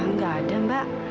gak ada mbak